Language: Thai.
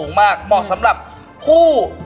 น้ำตาลน้ำตาลพริก